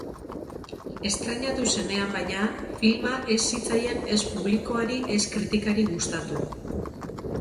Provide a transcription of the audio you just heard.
Estreinatu zenean, baina, filma ez zitzaien ez publikoari ez kritikari gustatu.